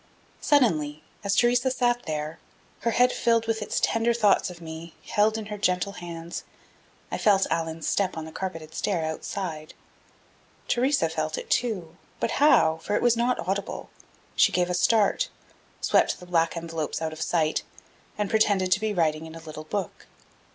Suddenly, as Theresa sat there, her head, filled with its tender thoughts of me, held in her gentle hands, I felt Allan's step on the carpeted stair outside. Theresa felt it, too, but how? for it was not audible. She gave a start, swept the black envelopes out of sight, and pretended to be writing in a little book.